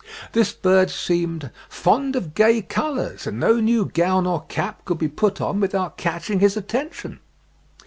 This bird seemed "fond of gay colours, and no new gown or cap could be put on without catching his attention."